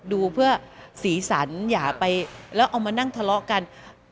ดูเพื่อสีสันอย่าไปแล้วเอามานั่งทะเลาะกัน